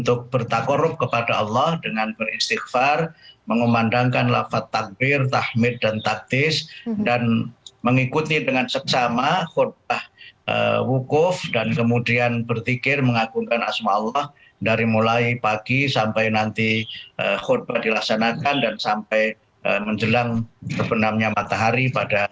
tahun tahun sebelumnya tidak dibatasi